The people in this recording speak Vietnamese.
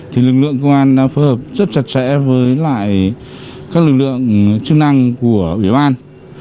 thì lực lượng công an đã phù hợp rất chặt chẽ với lại các lực lượng chức năng của biểu an